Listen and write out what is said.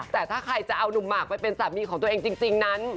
แต่ถ้าใครจะเอานุ่มหมากไปเป็นสามีของตัวเองจริงนั้น